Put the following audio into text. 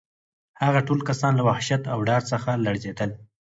هغه ټول کسان له وحشت او ډار څخه لړزېدل